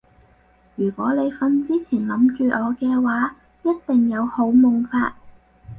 如果你瞓之前諗住我嘅話一定有好夢發